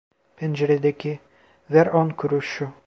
Penceredeki: "Ver on kuruşu!"